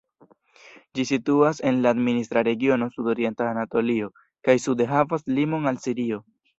Ĝi situas en la administra regiono Sudorienta Anatolio, kaj sude havas limon al Sirio.